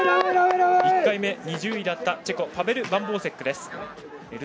１回目２０位だったチェコ、パベル・バンボウセック。